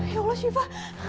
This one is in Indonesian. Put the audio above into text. ya allah syifa